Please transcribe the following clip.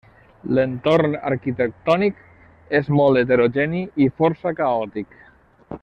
L'entorn arquitectònic és molt heterogeni i força caòtic.